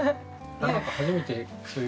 なんか初めてそういう。